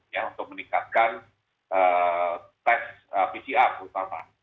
ya untuk meningkatkan tes pcr terutama